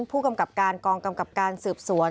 ผู้กำกับการกองกำกับการสืบสวน